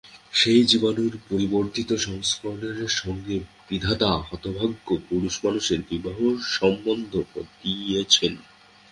সেই জীবাণুর পরিবর্ধিত সংস্করণের সঙ্গেই কি বিধাতা হতভাগ্য পুরুষমানুষের বিবাহের সম্বন্ধ পাতিয়েছেন।